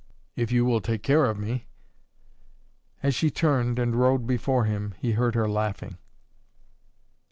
"If you will take care of me." As she turned and rode before him he heard her laughing.